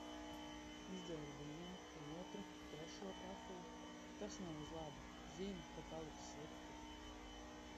Izdzēru vienu, otru, trešo kafiju, tas nav uz labu, zinu, ka paliks slikti.